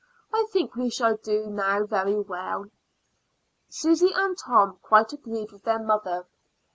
"I think we shall do now very well." Susy and Tom quite agreed with their mother.